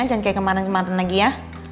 jangan kayak kemarin kemarin lagi ya